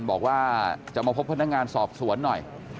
บอกว่าจะมาพบพนักงานสอบสวนหน่อย